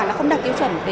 những lực lượng